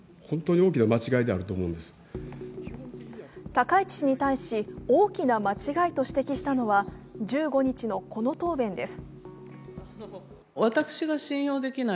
高市氏に対し、大きな間違いと指摘したのは１５日のこの答弁です。